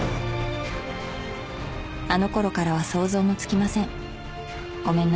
「あの頃からは想像もつきません。